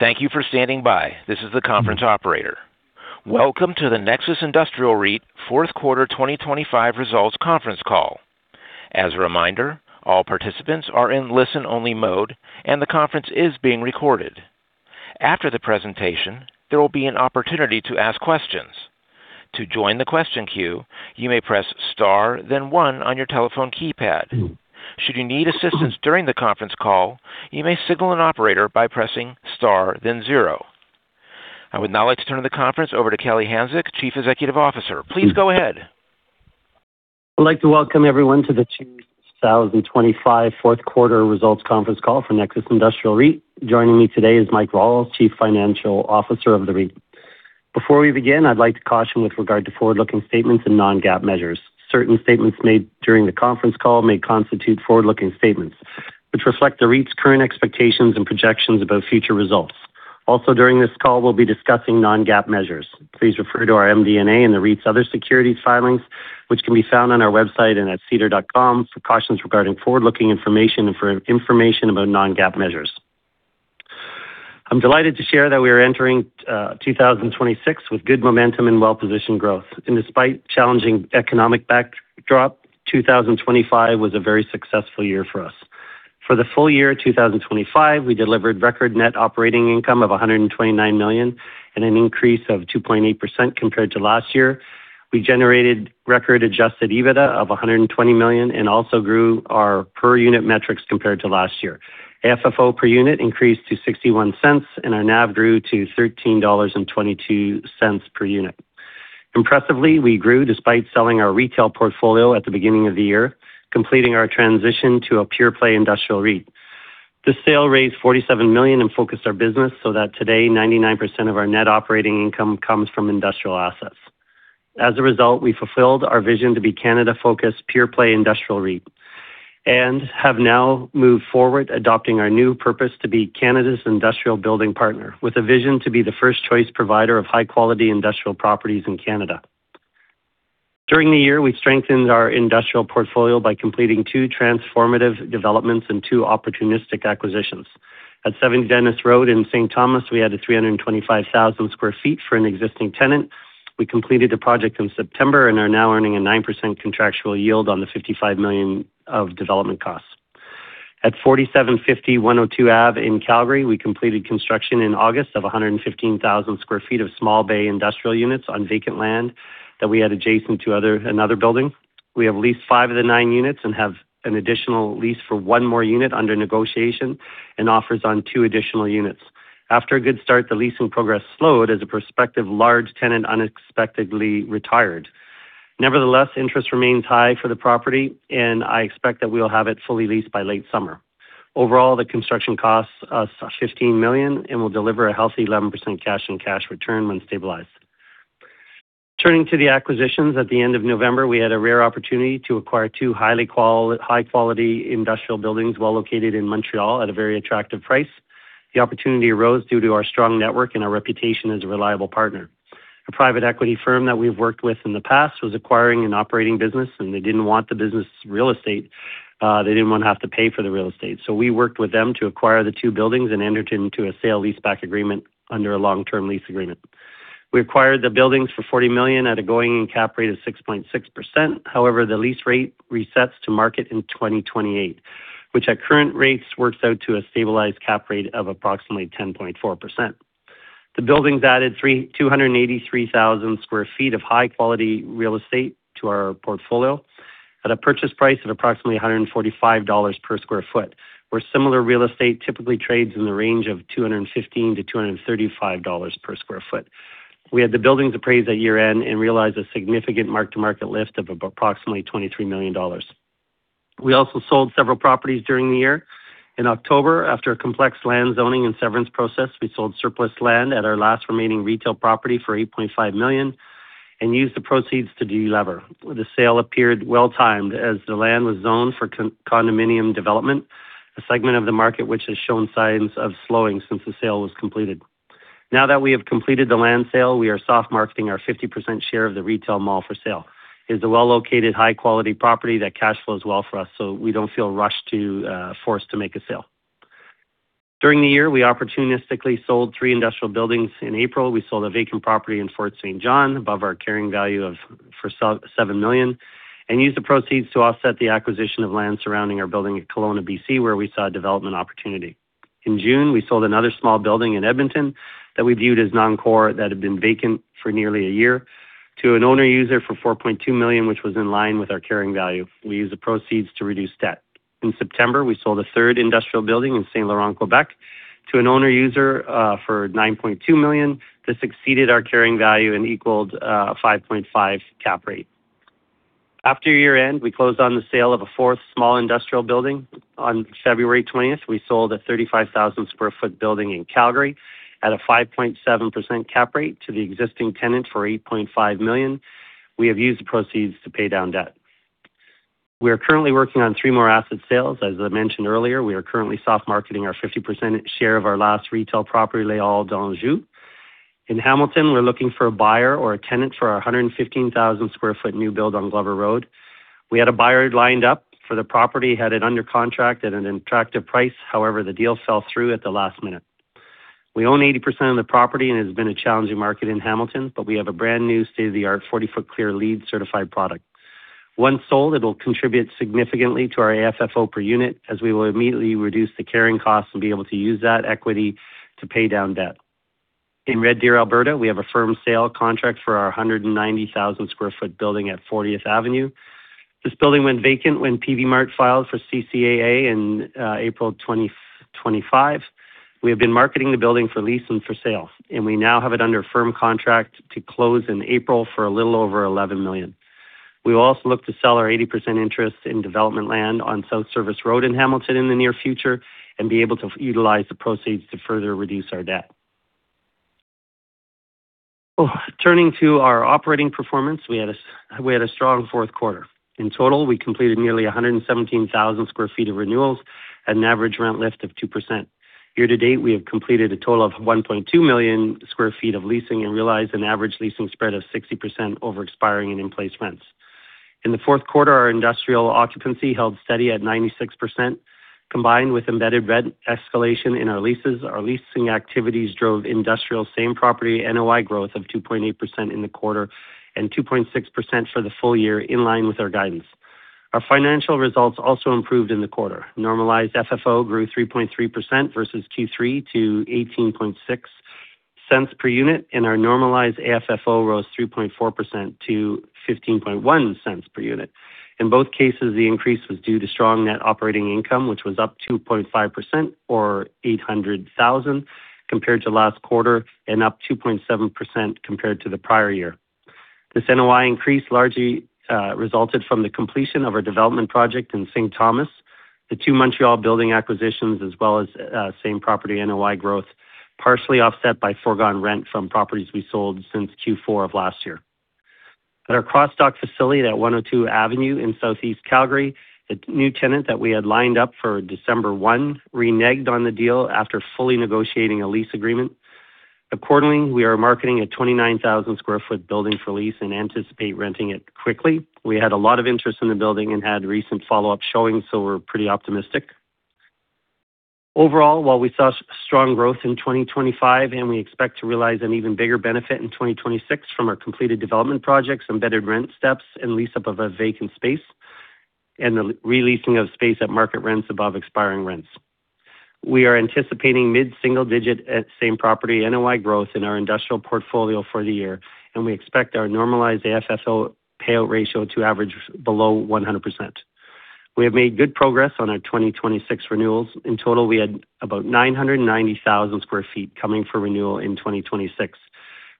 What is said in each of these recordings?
Thank you for standing by. This is the conference operator. Welcome to the Nexus Industrial REIT fourth quarter 2025 results conference call. As a reminder, all participants are in listen-only mode, and the conference is being recorded. After the presentation, there will be an opportunity to ask questions. To join the question queue, you may press Star, then one on your telephone keypad. Should you need assistance during the conference call, you may signal an operator by pressing Star, then zero. I would now like to turn the conference over to Kelly Hanczyk, Chief Executive Officer. Please go ahead. I'd like to welcome everyone to the 2025 fourth quarter results conference call for Nexus Industrial REIT. Joining me today is Mike Rawle, Chief Financial Officer of the REIT. Before we begin, I'd like to caution with regard to forward-looking statements and non-GAAP measures. Certain statements made during the conference call may constitute forward-looking statements which reflect the REIT's current expectations and projections about future results. During this call, we'll be discussing non-GAAP measures. Please refer to our MD&A and the REIT's other securities filings, which can be found on our website and at SEDAR+.com for cautions regarding forward-looking information and for information about non-GAAP measures. I'm delighted to share that we are entering 2026 with good momentum and well-positioned growth. Despite challenging economic backdrop, 2025 was a very successful year for us. For the full year 2025, we delivered record net operating income of $129 million and an increase of 2.8% compared to last year. We generated record adjusted EBITDA of $120 million and also grew our per unit metrics compared to last year. FFO per unit increased to $0.61, and our NAV grew to $13.22 per unit. Impressively, we grew despite selling our retail portfolio at the beginning of the year, completing our transition to a pure-play industrial REIT. This sale raised $47 million and focused our business so that today 99% of our net operating income comes from industrial assets. As a result, we fulfilled our vision to be Canada-focused pure-play industrial REIT and have now moved forward adopting our new purpose to be Canada's industrial building partner with a vision to be the first choice provider of high-quality industrial properties in Canada. During the year, we strengthened our industrial portfolio by completing two transformative developments and two opportunistic acquisitions. At 70 Dennis Road in St. Thomas, we added 325,000 sq ft for an existing tenant. We completed the project in September and are now earning a 9% contractual yield on the 55 million of development costs. At 4750 102 Ave SE in Calgary, we completed construction in August of 115,000 sq ft of small bay industrial units on vacant land that we had adjacent to another building. We have leased five of the nine units and have an additional lease for one more unit under negotiation and offers on two additional units. After a good start, the leasing progress slowed as a prospective large tenant unexpectedly retired. Interest remains high for the property, and I expect that we'll have it fully leased by late summer. Overall, the construction costs us CAD 15 million and will deliver a healthy 11% cash in cash return when stabilized. Turning to the acquisitions, at the end of November, we had a rare opportunity to acquire two high-quality industrial buildings well located in Montreal at a very attractive price. The opportunity arose due to our strong network and our reputation as a reliable partner. A private equity firm that we've worked with in the past was acquiring an operating business. They didn't want the business real estate, they didn't want to have to pay for the real estate. We worked with them to acquire the two buildings and entered into a sale leaseback agreement under a long-term lease agreement. We acquired the buildings for 40 million at a going-in cap rate of 6.6%. However, the lease rate resets to market in 2028, which at current rates works out to a stabilized cap rate of approximately 10.4%. The buildings added 283,000 sq ft of high-quality real estate to our portfolio at a purchase price of approximately 145 dollars per sq ft, where similar real estate typically trades in the range of 215-235 dollars per sq ft. We had the buildings appraised at year-end and realized a significant mark-to-market lift of approximately 23 million dollars. We also sold several properties during the year. In October, after a complex land zoning and severance process, we sold surplus land at our last remaining retail property for 8.5 million and used the proceeds to delever. The sale appeared well-timed as the land was zoned for condominium development, a segment of the market which has shown signs of slowing since the sale was completed. Now that we have completed the land sale, we are soft marketing our 50% share of the retail mall for sale. It's a well-located, high-quality property that cash flows well for us, so we don't feel rushed to forced to make a sale. During the year, we opportunistically sold three industrial buildings. In April, we sold a vacant property in Fort St. John above our carrying value for 7 million and used the proceeds to offset the acquisition of land surrounding our building at Kelowna, BC, where we saw a development opportunity. In June, we sold another small building in Edmonton that we viewed as non-core that had been vacant for nearly a year to an owner user for 4.2 million, which was in line with our carrying value. We used the proceeds to reduce debt. In September, we sold a third industrial building in St. Laurent, Quebec, to an owner user, for 9.2 million. This exceeded our carrying value and equaled a 5.5% cap rate. After year-end, we closed on the sale of a fourth small industrial building. On February 20th, we sold a 35,000 sq ft building in Calgary at a 5.7% cap rate to the existing tenant for 8.5 million. We have used the proceeds to pay down debt. We are currently working on three more asset sales. As I mentioned earlier, we are currently soft marketing our 50% share of our last retail property, Les Halles d'Anjou. In Hamilton, we're looking for a buyer or a tenant for our 115,000 sq ft new build on Glover Road. We had a buyer lined up for the property, had it under contract at an attractive price. However, the deal fell through at the last minute. We own 80% of the property, and it has been a challenging market in Hamilton, but we have a brand-new state-of-the-art 40-foot clear LEED certified product. Once sold, it will contribute significantly to our AFFO per unit as we will immediately reduce the carrying costs and be able to use that equity to pay down debt. In Red Deer, Alberta, we have a firm sale contract for our 190,000 sq ft building at 40th Avenue. This building went vacant when Peavey Mart filed for CCAA in April 25. We have been marketing the building for lease and for sale, and we now have it under firm contract to close in April for a little over 11 million. We will also look to sell our 80% interest in development land on South Service Road in Hamilton in the near future and be able to utilize the proceeds to further reduce our debt. Turning to our operating performance, we had a strong fourth quarter. In total, we completed nearly 117,000 sq ft of renewals at an average rent lift of 2%. Year to date, we have completed a total of 1.2 million sq ft of leasing and realized an average leasing spread of 60% over expiring and in-place rents. In the fourth quarter, our industrial occupancy held steady at 96%, combined with embedded rent escalation in our leases. Our leasing activities drove industrial same property NOI growth of 2.8% in the quarter and 2.6% for the full year in line with our guidance. Our financial results also improved in the quarter. Normalized FFO grew 3.3% versus Q3 to 0.186 per unit, and our normalized AFFO rose 3.4% to 0.151 per unit. In both cases, the increase was due to strong net operating income, which was up 2.5% or 800,000 compared to last quarter and up 2.7% compared to the prior year. This NOI increase largely resulted from the completion of our development project in St. Thomas, the two Montreal building acquisitions, as well as same property NOI growth, partially offset by foregone rent from properties we sold since Q4 of last year. At our cross-dock facility at 102 Avenue in Southeast Calgary, a new tenant that we had lined up for December 1 reneged on the deal after fully negotiating a lease agreement. Accordingly, we are marketing a 29,000 sq ft building for lease and anticipate renting it quickly. We had a lot of interest in the building and had recent follow-up showings, so we're pretty optimistic. Overall, while we saw strong growth in 2025, and we expect to realize an even bigger benefit in 2026 from our completed development projects, embedded rent steps, and lease up of a vacant space, and the re-leasing of space at market rents above expiring rents. We are anticipating mid-single digit at same property NOI growth in our industrial portfolio for the year, and we expect our normalized AFFO payout ratio to average below 100%. We have made good progress on our 2026 renewals. In total, we had about 990,000 sq ft coming for renewal in 2026.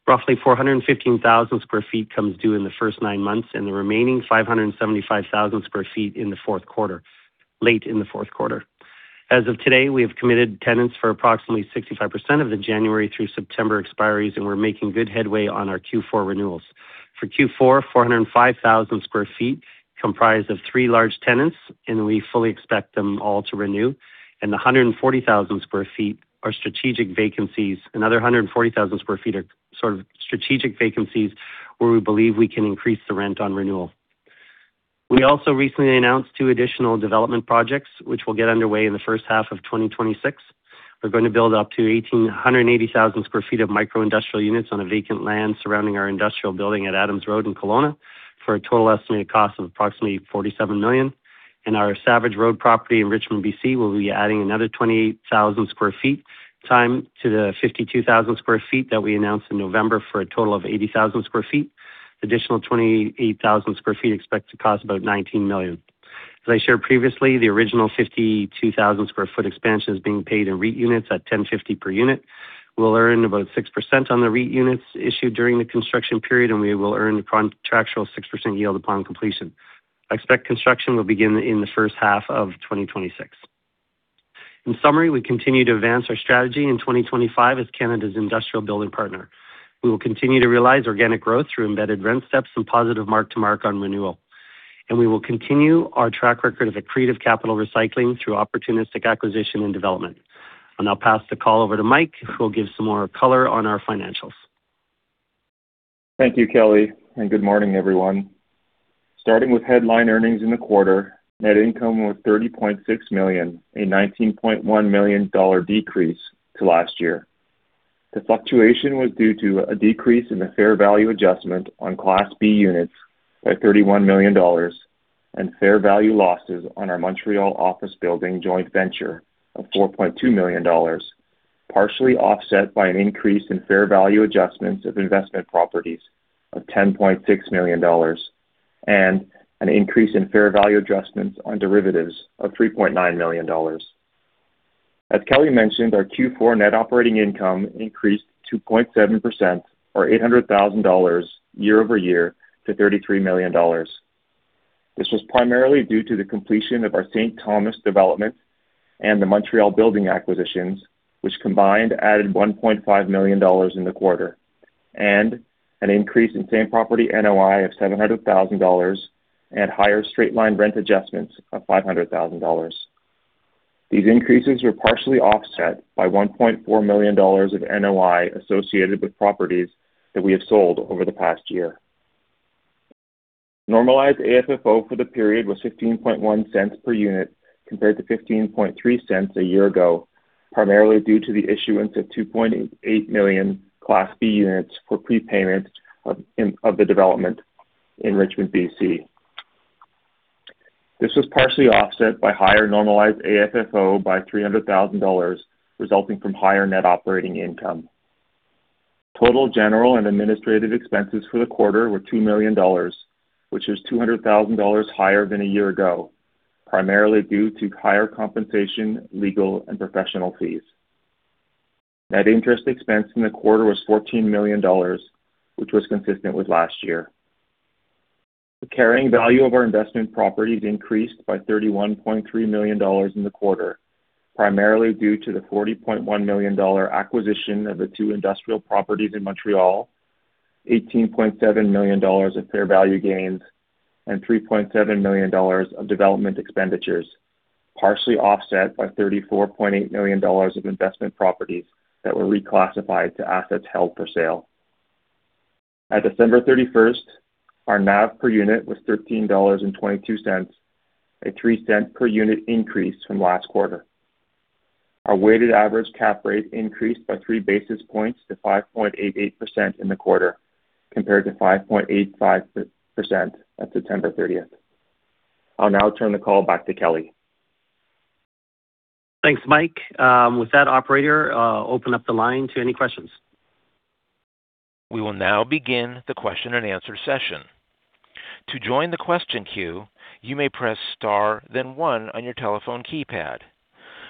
Roughly 415,000 sq ft comes due in the first nine months and the remaining 575,000 sq ft in the fourth quarter, late in the fourth quarter. As of today, we have committed tenants for approximately 65% of the January through September expiries, and we're making good headway on our Q4 renewals. For Q4, 405,000 sq ft comprised of three large tenants, and we fully expect them all to renew. A 140,000 sq ft are strategic vacancies. Another 140,000 sq ft are sort of strategic vacancies where we believe we can increase the rent on renewal. We also recently announced two additional development projects, which will get underway in the first half of 2026. We're going to build up to 180,000 sq ft of micro-industrial units on a vacant land surrounding our industrial building at Adams Road in Kelowna for a total estimated cost of approximately 47 million. In our Savage Road property in Richmond, BC, we'll be adding another 28,000 sq ft time to the 52,000 sq ft that we announced in November for a total of 80,000 sq ft. Additional 28,000 sq ft expect to cost about 19 million. As I shared previously, the original 52,000 sq ft expansion is being paid in REIT units at 10.50 per unit. We'll earn about 6% on the REIT units issued during the construction period, we will earn the contractual 6% yield upon completion. I expect construction will begin in the first half of 2026. In summary, we continue to advance our strategy in 2025 as Canada's industrial building partner. We will continue to realize organic growth through embedded rent steps and positive mark-to-mark on renewal. We will continue our track record of accretive capital recycling through opportunistic acquisition and development. I'll now pass the call over to Mike, who will give some more color on our financials. Thank you, Kelly. Good morning, everyone. Starting with headline earnings in the quarter, net income was 30.6 million, a 19.1 million dollar decrease to last year. The fluctuation was due to a decrease in the fair value adjustment on Class B units by 31 million dollars and fair value losses on our Montreal office building joint venture of 4.2 million dollars, partially offset by an increase in fair value adjustments of investment properties of 10.6 million dollars and an increase in fair value adjustments on derivatives of 3.9 million dollars. As Kelly mentioned, our Q4 net operating income increased 2.7% or 800,000 dollars year-over-year to 33 million dollars. This was primarily due to the completion of our St. Thomas development and the Montreal building acquisitions, which combined added 1.5 million dollars in the quarter and an increase in same-property NOI of 700,000 dollars and higher straight-line rent adjustments of 500,000 dollars. These increases were partially offset by 1.4 million dollars of NOI associated with properties that we have sold over the past year. Normalized AFFO for the period was 0.151 per unit compared to 0.153 a year ago, primarily due to the issuance of 2.8 million Class B LP Units for prepayment of the development in Richmond, BC. This was partially offset by higher Normalized AFFO by 300,000 dollars, resulting from higher net operating income. Total general and administrative expenses for the quarter were 2 million dollars, which is 200,000 dollars higher than a year ago, primarily due to higher compensation, legal and professional fees. Net interest expense in the quarter was 14 million dollars, which was consistent with last year. The carrying value of our investment properties increased by 31.3 million dollars in the quarter, primarily due to the 40.1 million dollar acquisition of the two industrial properties in Montreal, 18.7 million dollars of fair value gains, and 3.7 million dollars of development expenditures, partially offset by 34.8 million dollars of investment properties that were reclassified to assets held for sale. At December 31st, our NAV per unit was 13.22 dollars, a 0.03 per unit increase from last quarter. Our weighted average cap rate increased by 3 basis points to 5.8% in the quarter, compared to 5.85% at September 30th. I'll now turn the call back to Kelly. Thanks, Mike. With that, operator, open up the line to any questions. We will now begin the question and answer session. To join the question queue, you may press Star, then one on your telephone keypad.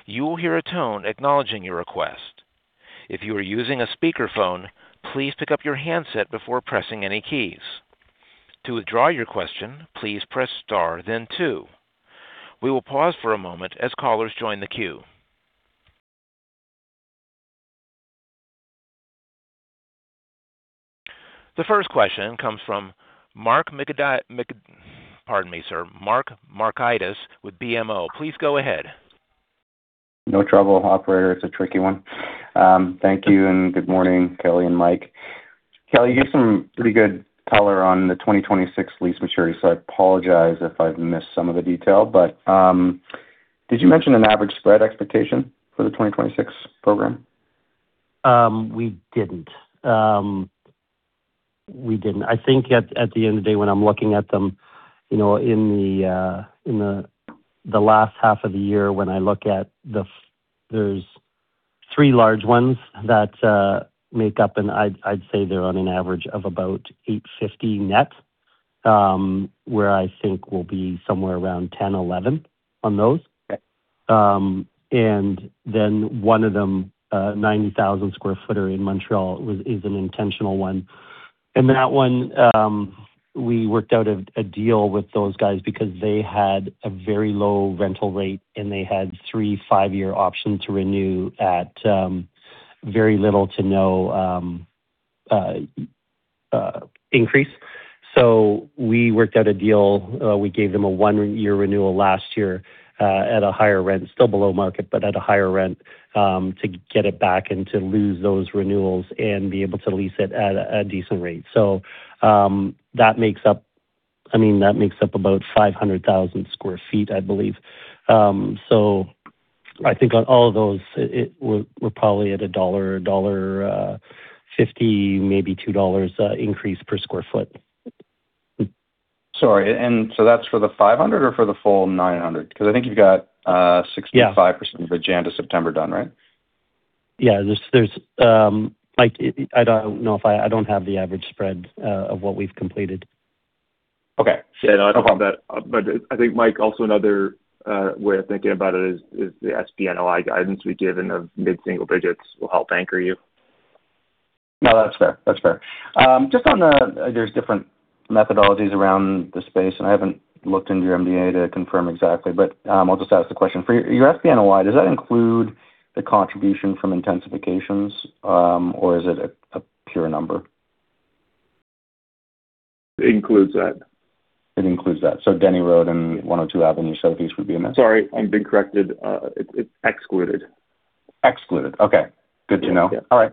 You will hear a tone acknowledging your request. If you are using a speakerphone, please pick up your handset before pressing any keys. To withdraw your question, please press Star then two. We will pause for a moment as callers join the queue. The first question comes from Pardon me, sir. Michael Markidis with BMO. Please go ahead. No trouble, operator. It's a tricky one. Thank you, and good morning, Kelly and Mike. Kelly, you gave some pretty good color on the 2026 lease maturity, so I apologize if I've missed some of the detail, but did you mention an average spread expectation for the 2026 program? We didn't. We didn't. I think at the end of the day when I'm looking at them, you know, in the last half of the year when I look at the. There's three large ones that make up, and I'd say they're on an average of about 850 net, where I think we'll be somewhere around 10, 11 on those. Okay. One of them, 90,000 sq ft in Montreal was, is an intentional one. In that one, we worked out a deal with those guys because they had a very low rental rate, and they had three five-year option to renew at very little to no increase. We worked out a deal. We gave them a one-year renewal last year, at a higher rent, still below market, but at a higher rent, to get it back and to lose those renewals and be able to lease it at a decent rate. That makes up, I mean, that makes up about 500,000 sq ft, I believe. I think on all of those, we're probably at 1.50 dollar, maybe 2 dollars, increase per square foot. Sorry, that's for the 500 or for the full 900? I think you've got. Yeah. 65% of the January to September done, right? Yeah. There's like I don't know if I don't have the average spread of what we've completed. Okay. No problem. I think, Mike, also another way of thinking about it is the SPNOI guidance we give in the mid-single digits will help anchor you. No, that's fair. That's fair. Just on there's different methodologies around the space, and I haven't looked into your MD&A to confirm exactly, but, I'll just ask the question. For your SPNOI, does that include the contribution from intensifications, or is it a pure number? It includes that. It includes that. Dennis Road and 102 Avenue Southeast would be in that. Sorry, I'm being corrected. It's excluded. Excluded. Okay. Good to know. Yeah. All right.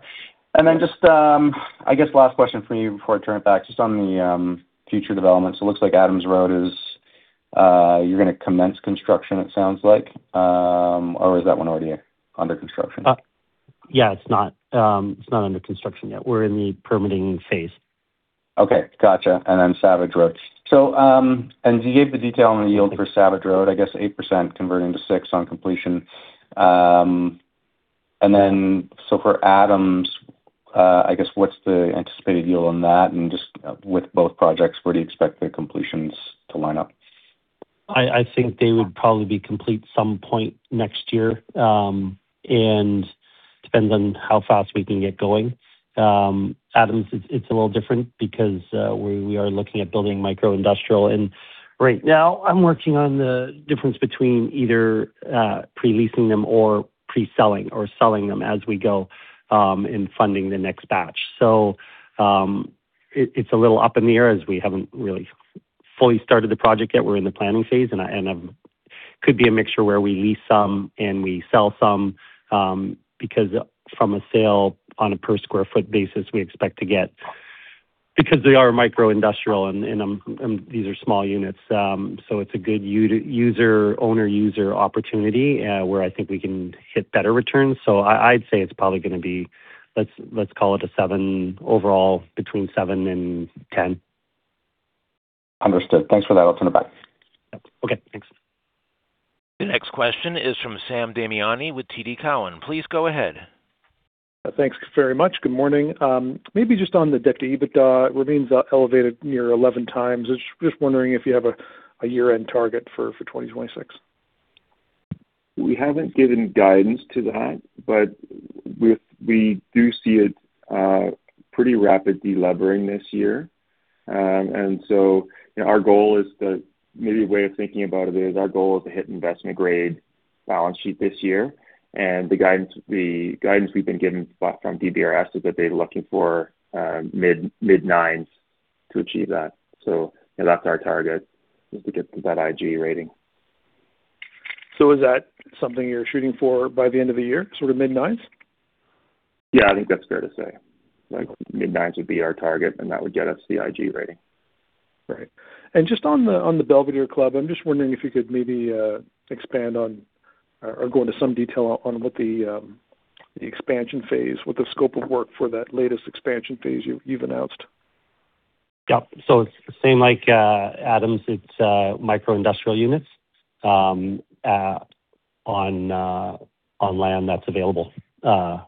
Just I guess last question for you before I turn it back, just on the future developments. It looks like Adams Road is you're gonna commence construction, it sounds like. Is that one already under construction? Yeah, it's not under construction yet. We're in the permitting phase. Okay. Gotcha. Savage Road. You gave the detail on the yield for Savage Road, I guess 8% converting to 6% on completion. For Adams, I guess what's the anticipated yield on that? Just with both projects, where do you expect the completions to line up? I think they would probably be complete some point next year. Depends on how fast we can get going. Adams, it's a little different because we are looking at building micro-industrial. Right now I'm working on the difference between either pre-leasing them or pre-selling or selling them as we go in funding the next batch. It's a little up in the air as we haven't really fully started the project, yet we're in the planning phase, and could be a mixture where we lease some and we sell some, because from a sale on a per square foot basis, we expect to get... Because they are micro-industrial and these are small units. It's a good owner user opportunity where I think we can hit better returns. I'd say it's probably gonna be, let's call it a seven overall, between seven and 10. Understood. Thanks for that. I'll turn it back. Okay, thanks. The next question is from Sam Damiani with TD Cowen. Please go ahead. Thanks very much. Good morning. Maybe just on the debt-to-EBITDA remains elevated near 11 times. Just wondering if you have a year-end target for 2026? We haven't given guidance to that, but we do see it pretty rapid de-levering this year. Our goal is to hit investment grade balance sheet this year. The guidance we've been given from DBRS is that they're looking for mid-nines to achieve that. That's our target is to get to that IG rating. Is that something you're shooting for by the end of the year, sort of mid-nines? Yeah, I think that's fair to say. Like mid-nines would be our target, and that would get us the IG rating. Right. Just on the Belvedere Club, I'm just wondering if you could maybe expand on or go into some detail on what the expansion phase, what the scope of work for that latest expansion phase you've announced? Yep. It's same like Adams. It's micro-industrial units on land that's available for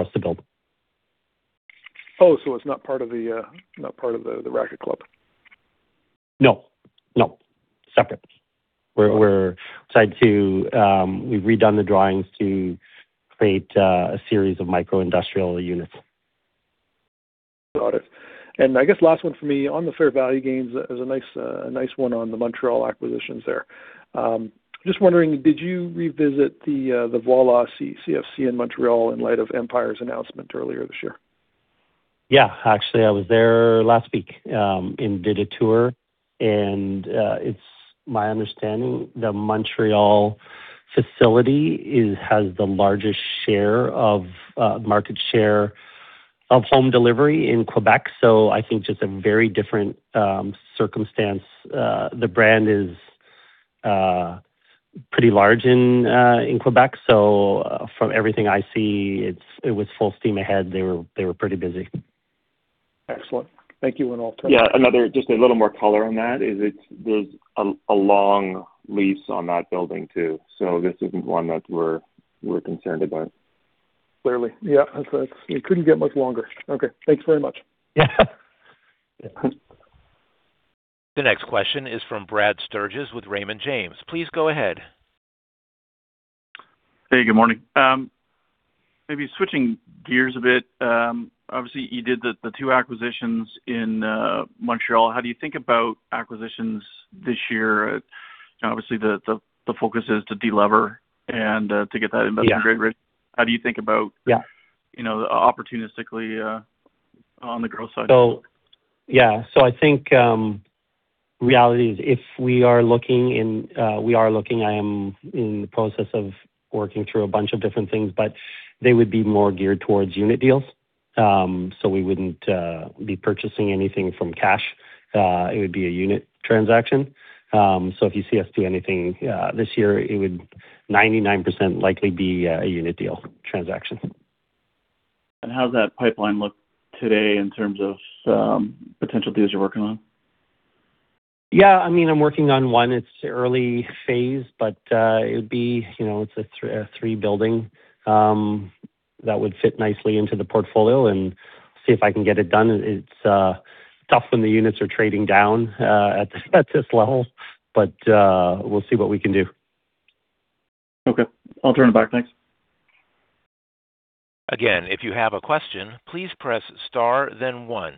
us to build. So it's not part of the racket club? No, no. Separate. We're decided to. We've redone the drawings to create a series of micro-industrial units. Got it. I guess last one for me on the fair value gains, there's a nice, a nice one on the Montreal acquisitions there. Just wondering, did you revisit the Voilà CFC in Montreal in light of Empire's announcement earlier this year? Yeah. Actually, I was there last week, and did a tour and, it's my understanding the Montreal facility has the largest share of, market share of home delivery in Quebec. I think just a very different circumstance. The brand is pretty large in Quebec. From everything I see, it was full steam ahead. They were pretty busy. Excellent. Thank you. I'll turn it back. Yeah. Just a little more color on that is there's a long lease on that building too. This isn't one that we're concerned about. Clearly. Yeah, that's it. It couldn't get much longer. Okay. Thanks very much. Yeah. The next question is from Brad Sturges with Raymond James. Please go ahead. Hey, good morning. Maybe switching gears a bit. Obviously you did the two acquisitions in Montreal. How do you think about acquisitions this year? Obviously, the focus is to de-lever and to get that investment grade. Yeah. How do you think about? Yeah. You know, opportunistically, on the growth side? Yeah. I think reality is if we are looking, I am in the process of working through a bunch of different things, but they would be more geared towards unit deals. We wouldn't be purchasing anything from cash. It would be a unit transaction. If you see us do anything this year, it would 99% likely be a unit deal transaction. How's that pipeline look today in terms of potential deals you're working on? Yeah, I mean, I'm working on one. It's early phase, but it would be, you know, a three building that would fit nicely into the portfolio and see if I can get it done. It's tough when the units are trading down at this level, but we'll see what we can do. Okay. I'll turn it back. Thanks. Again, if you have a question, please press star then one.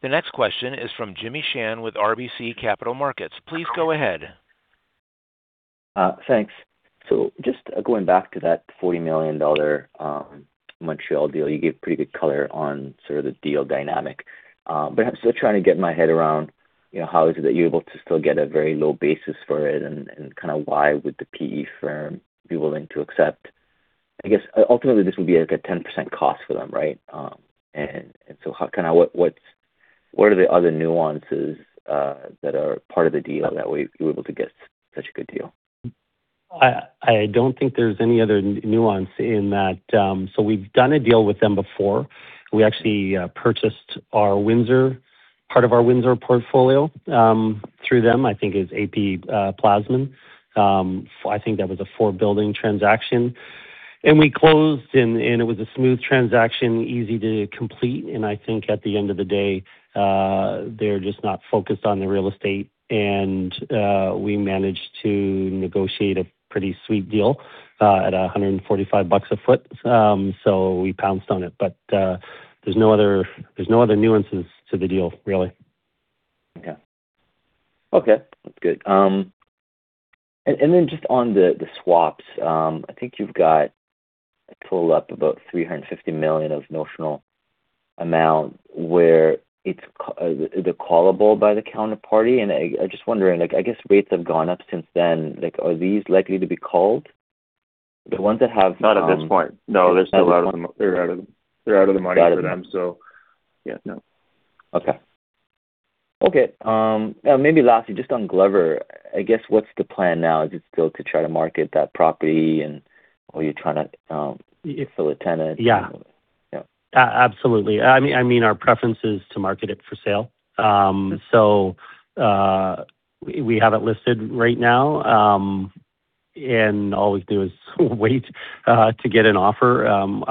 The next question is from Jimmy Shan with RBC Capital Markets. Please go ahead. Thanks. Just going back to that 40 million dollar Montreal deal, you gave pretty good color on sort of the deal dynamic. I'm still trying to get my head around, you know, how is it that you're able to still get a very low basis for it and kinda why would the PE firm be willing to accept? I guess ultimately this would be like a 10% cost for them, right? What are the other nuances that are part of the deal that way you're able to get such a good deal? I don't think there's any other nuance in that. We've done a deal with them before. We actually purchased our Windsor, part of our Windsor portfolio, through them. I think it's A.P. Plasman. I think that was a four-building transaction. We closed and it was a smooth transaction, easy to complete. I think at the end of the day, they're just not focused on the real estate. We managed to negotiate a pretty sweet deal at 145 bucks a foot. We pounced on it. There's no other nuances to the deal, really. Okay. That's good. Then just on the swaps, I think you've got a total up about 350 million of notional amount where it's callable by the counterparty. I just wondering, like, I guess rates have gone up since then. Like, are these likely to be called? The ones that have. Not at this point. No. They're still out of the money for them. Got it. Yeah, no. Okay. Okay. Maybe lastly, just on Glover, I guess what's the plan now? Is it still to try to market that property and or you're trying to fill a tenant? Yeah. Yeah. Absolutely. I mean our preference is to market it for sale. We have it listed right now, and all we do is wait to get an offer.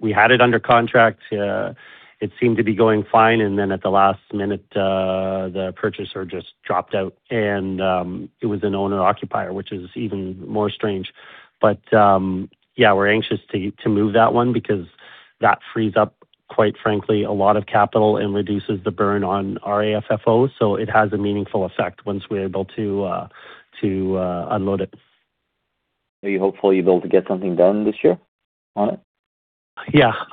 We had it under contract, it seemed to be going fine, and then at the last minute, the purchaser just dropped out. It was an owner occupier, which is even more strange. Yeah, we're anxious to move that one because that frees up, quite frankly, a lot of capital and reduces the burn on our AFFO. It has a meaningful effect once we're able to unload it. Are you hopeful you'll be able to get something done this year on it?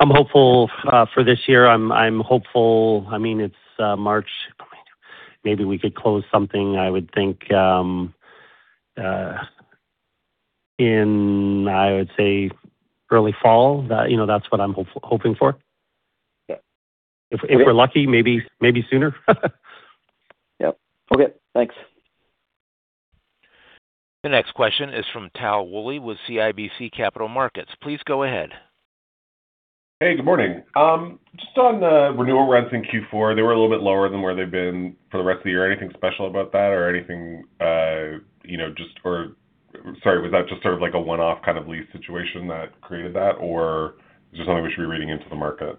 I'm hopeful, for this year. I'm hopeful. I mean, it's, March. Maybe we could close something, I would think, in, I would say early fall. That, you know, that's what I'm hoping for. Yeah. If we're lucky, maybe sooner. Yep. Okay, thanks. The next question is from Tal Woolley with CIBC Capital Markets. Please go ahead. Hey, good morning. On the renewal rents in Q4, they were a little bit lower than where they've been for the rest of the year. Anything special about that or anything, you know, Sorry, was that just sort of like a one-off kind of lease situation that created that or just something we should be reading into the market?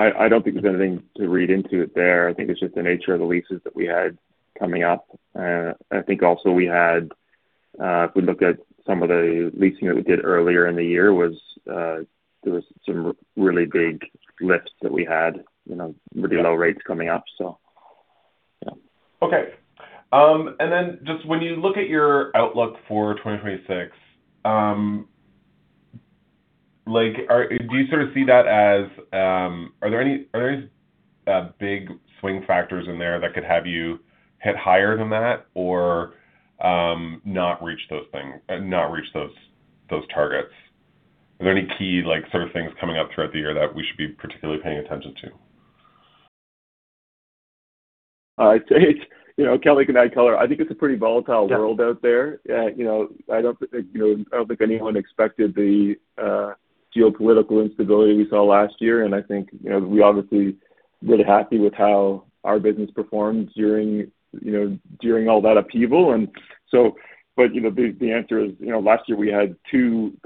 I don't think there's anything to read into it there. I think it's just the nature of the leases that we had coming up. I think also we had, if we looked at some of the leasing that we did earlier in the year was, there was some really big lifts that we had, you know, really low rates coming up, so. Okay. Just when you look at your outlook for 2026, do you sort of see that as? Are there any big swing factors in there that could have you hit higher than that or not reach those targets? Are there any key, sort of things coming up throughout the year that we should be particularly paying attention to? I'd say, you know, Kelly can add color. I think it's a pretty volatile world out there. You know, I don't think, you know, I don't think anyone expected the geopolitical instability we saw last year. I think, you know, we obviously were happy with how our business performed during, you know, during all that upheaval. You know, the answer is, you know, last year we had two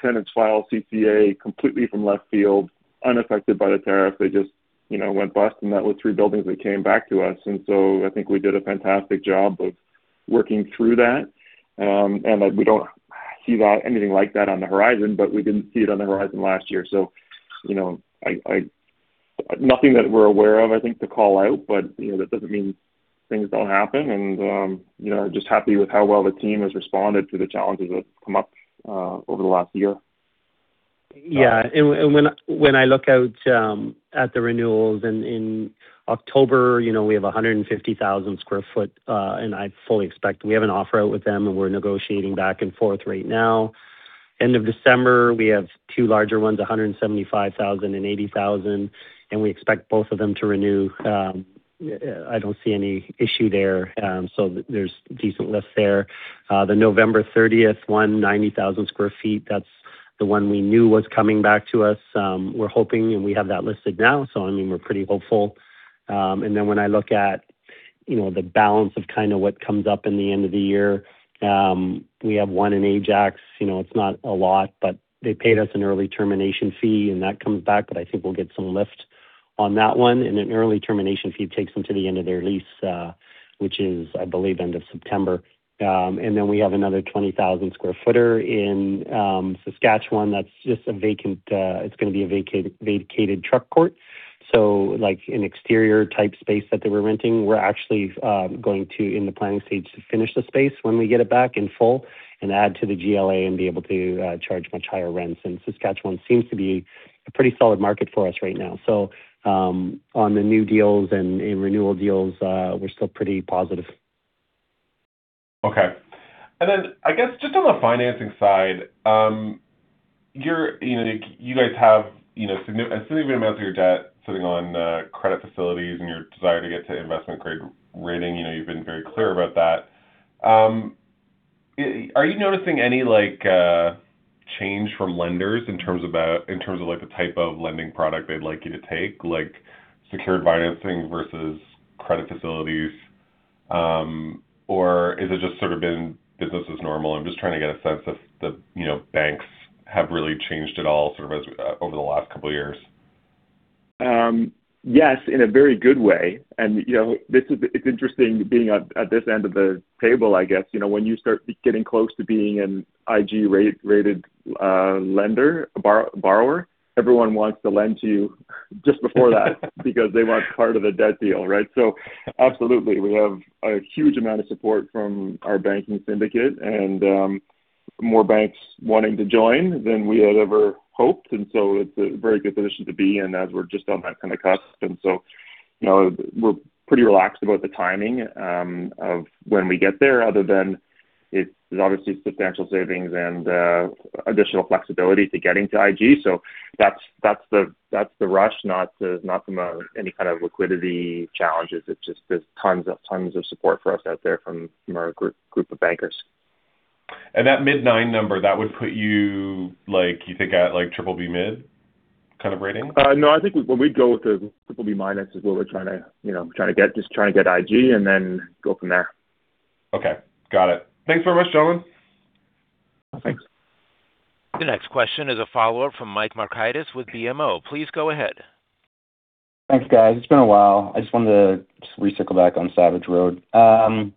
tenants file CCAA completely from left field, unaffected by the tariff. They just, you know, went bust, and that was three buildings that came back to us. I think we did a fantastic job of working through that. Like, we don't see that, anything like that on the horizon, but we didn't see it on the horizon last year. You know, I... Nothing that we're aware of, I think, to call out, but, you know, that doesn't mean things don't happen and, you know, just happy with how well the team has responded to the challenges that have come up over the last year. Yeah. When, when I look out at the renewals in October, you know, we have a 150,000 sq ft, and I fully expect we have an offer out with them and we're negotiating back and forth right now. End of December, we have two larger ones, 175,000 and 80,000, and we expect both of them to renew. I don't see any issue there. There's decent lift there. The November 30th one, 90,000 sq ft, that's the one we knew was coming back to us. We're hoping, we have that listed now, I mean, we're pretty hopeful. When I look at, you know, the balance of kind of what comes up in the end of the year, we have one in Ajax. You know, it's not a lot, they paid us an early termination fee that comes back, I think we'll get some lift on that one. An early termination fee takes them to the end of their lease, which is, I believe, end of September. We have another 20,000 square footer in Saskatchewan. That's just a vacated truck port. Like an exterior type space that they were renting. We're actually going to, in the planning stage, to finish the space when we get it back in full and add to the GLA and be able to charge much higher rents. Saskatchewan seems to be a pretty solid market for us right now. On the new deals and in renewal deals, we're still pretty positive. Okay. I guess just on the financing side, you know, you guys have, you know, significant amount of your debt sitting on credit facilities and your desire to get to investment grade rating. You know, you've been very clear about that. Are you noticing any, like, change from lenders in terms of, like, the type of lending product they'd like you to take, like secured financing versus credit facilities? Is it just sort of been business as normal? I'm just trying to get a sense if the, you know, banks have really changed at all, sort of, over the last couple of years. Yes, in a very good way. You know, it's interesting being at this end of the table, I guess. You know, when you start getting close to being an IG rated borrower, everyone wants to lend to you. Just before that because they weren't part of the debt deal, right? Absolutely. We have a huge amount of support from our banking syndicate and, more banks wanting to join than we had ever hoped. It's a very good position to be in as we're just on that kind of cusp. You know, we're pretty relaxed about the timing, of when we get there, other than it's obviously substantial savings and, additional flexibility to getting to IG. That's, that's the, that's the rush, not from a any kind of liquidity challenges. It's just there's tons of, tons of support for us out there from our group of bankers. That mid nine number, that would put you like, you think at like BBB- mid kind of rating? No, I think what we go with the BBB- is what we're trying to, you know, trying to get. Just trying to get IG and then go from there. Okay. Got it. Thanks very much, Mike. Thanks. The next question is a follow-up from Mike Markidis with BMO. Please go ahead. Thanks, guys. It's been a while. I just wanted to just recycle back on Savage Road. I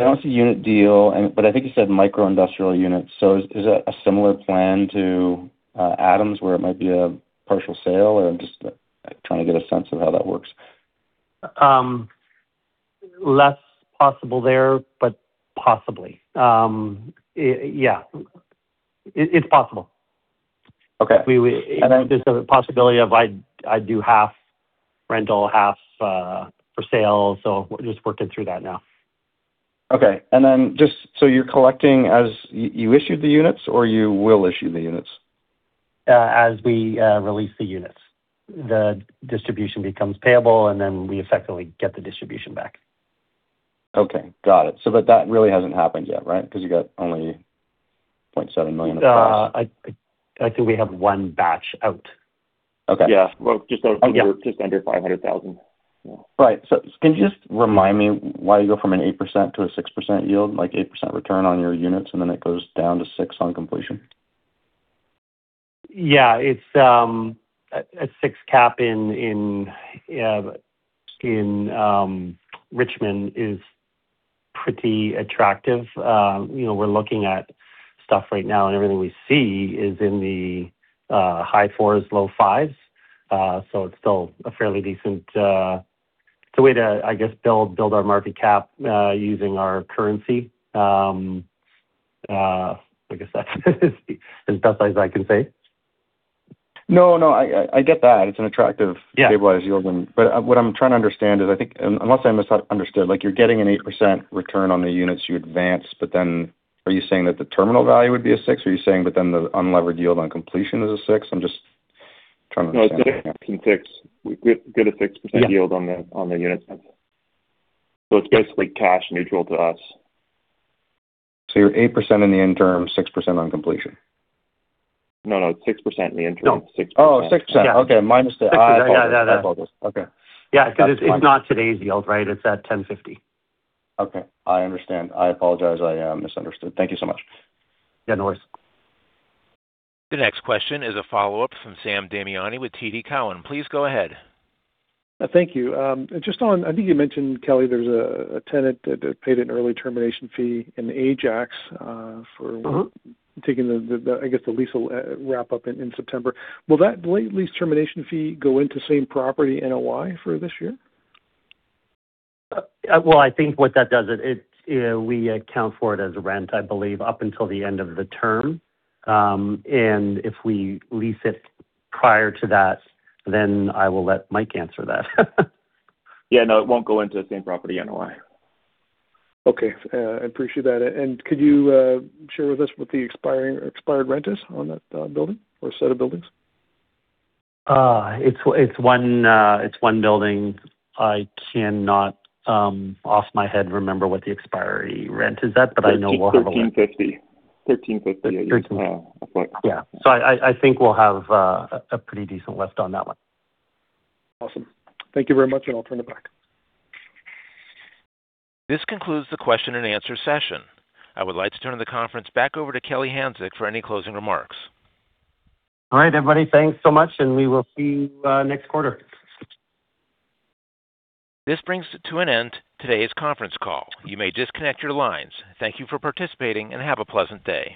don't see unit deal but I think you said micro-industrial units. Is that a similar plan to Adams where it might be a partial sale? I'm just trying to get a sense of how that works? Less possible there, but possibly. It's possible. Okay. We, we- And then- There's a possibility of I do half rental, half for sale, so we're just working through that now. Okay. Just so you're collecting as you issued the units or you will issue the units? As we release the units. The distribution becomes payable, and then we effectively get the distribution back. Got it. That really hasn't happened yet, right? Because you got only 0.7 million. I think we have one batch out. Okay. Yeah. Well, just. Yeah. Just under 500,000. Yeah. Right. Can you just remind me why you go from an 8% to a 6% yield, like 8% return on your units and then it goes down to 6% on completion? Yeah. It's a 6 cap in Richmond is pretty attractive. you know, we're looking at stuff right now. Everything we see is in the high 4s, low 5s. It's still a fairly decent. It's a way to, I guess, build our market cap, using our currency. I guess that's as best as I can say. No, no, I get that. Yeah. Stabilized yield and... What I'm trying to understand is I think, unless I misunderstood, like you're getting an 8% return on the units you advance, but then are you saying that the terminal value would be a 6% or are you saying but then the unlevered yield on completion is a 6%? I'm just trying to understand. No, it's six and six. We get a 6% yield. Yeah. On the units. It's basically cash neutral to us. You're 8% in the interim, 6% on completion. No, no, it's 6% in the interim. No. 6%. Oh, 6%. Yeah. Okay. Minus the--. I apologize. Yeah, yeah. I apologize. Okay. Yeah. It's not today's yield, right? It's at 10.50%. Okay. I understand. I apologize. I misunderstood. Thank you so much. Yeah, no worries. The next question is a follow-up from Sam Damiani with TD Cowen. Please go ahead. Thank you. I think you mentioned, Kelly, there's a tenant that paid an early termination fee in Ajax. Taking the, I guess, the lease will wrap up in September. Will that late lease termination fee go into same property NOI for this year? Well, I think what that does is it's, you know, we account for it as rent, I believe, up until the end of the term. If we lease it prior to that, I will let Mike answer that. Yeah, no, it won't go into the same property NOI. Okay. I appreciate that. Could you share with us what the expiring or expired rent is on that building or set of buildings? It's one building. I cannot off my head remember what the expiry rent is at, but I know we'll have. CAD 13.50. 13.50. CAD 13.50. Yeah. Yeah. I think we'll have a pretty decent lift on that one. Awesome. Thank you very much, and I'll turn it back. This concludes the question and answer session. I would like to turn the conference back over to Kelly Hanczyk for any closing remarks. All right, everybody. Thanks so much, and we will see you next quarter. This brings to an end today's conference call. You may disconnect your lines. Thank you for participating and have a pleasant day.